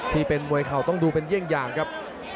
ที่เป็นมวยเข่าต้องดูเป็นเยี่ยงอย่างครับ